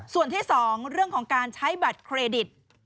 ส่วนที่๒เรื่องของการใช้บัตรเครดิต